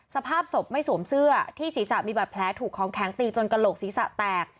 สภาพศพไม่สวมเสื้อที่ศีรษะมีบาดแผลถูกของแข็งตีจนกระโหลกศีรษะแตก